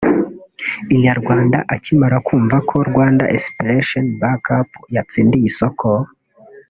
Inyarwanda akimara kumva ko Rwanda Inspiration Back Up yatsindiye isoko